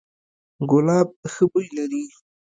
ګلاب ښه بوی لري